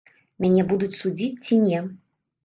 Мяне будуць судзіць ці не?